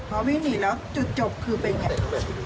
ต้องวิ่งหนีแล้วจุดจบคือเป็นอย่างไร